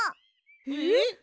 えっ！？